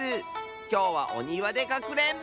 きょうはおにわでかくれんぼ！